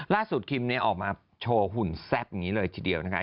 ล่าสุดคิมออกมาโชวี้ขุนแซ่บแบบนี้เลยชีวิตเดียวนะคะ